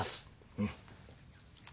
うん。